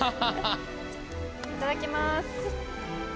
いただきます。